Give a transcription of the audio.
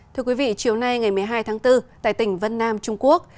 thưa quý vị chiều nay ngày một mươi hai tháng bốn tại tỉnh vân nam trung quốc